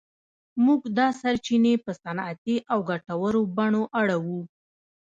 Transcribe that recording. موږ دا سرچینې په صنعتي او ګټورو بڼو اړوو.